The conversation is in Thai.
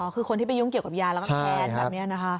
คือคนที่ไปยุ่งเกี่ยวกับยาแล้วก็แค้นแบบนี้นะคะ